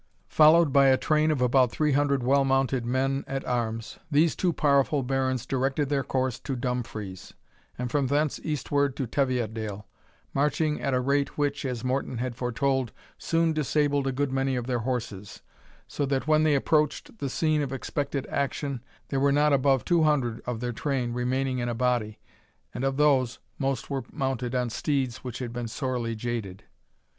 Followed by a train of about three hundred well mounted men at arms, these two powerful barons directed their course to Dumfries, and from thence eastward to Teviotdale, marching at a rate which, as Morton had foretold, soon disabled a good many of their horses, so that when they approached the scene of expected action, there were not above two hundred of their train remaining in a body, and of these most were mounted on steeds which had been sorely jaded.